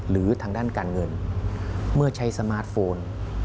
หรือทางด้านการเงินเมื่อใช้สมาร์ทโฟน